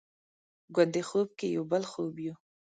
ګوندې خوب کې یو بل خوب یو؟